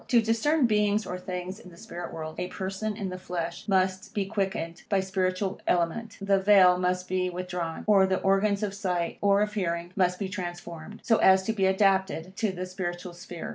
To discern beings or things in the spirit world, a person in the flesh must be quickened by spiritual element, the vail must be withdrawn, or the organs of sight, or of hearing, must be transformed, so as to be adapted to the spiritual sphere.